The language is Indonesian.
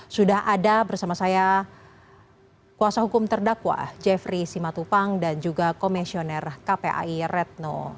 sudah ada bersama saya kuasa hukum terdakwa jeffrey simatupang dan juga komisioner kpai retno